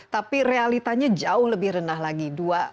tapi realitanya jauh lebih rendah lagi dua delapan